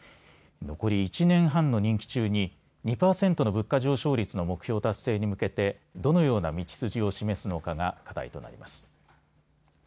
残り１年半の任期中に２％の物価上昇率の目標達成に向けてどのような道筋を示すのかが課題となります。